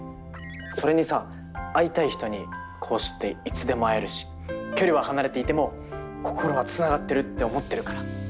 それにさ会いたい人にこうしていつでも会えるし距離は離れていても心はつながってるって思ってるから。